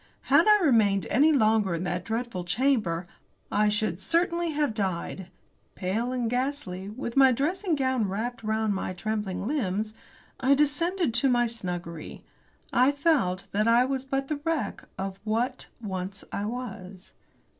Had I remained any longer in that dreadful chamber I should certainly have died. Pale and ghastly, with my dressing gown wrapped round my trembling limbs, I descended to my snuggery. I felt that I was but the wreck of what once I was.